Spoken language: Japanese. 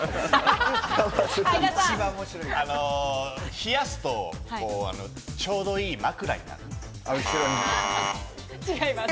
冷やすとちょうどいい枕になる。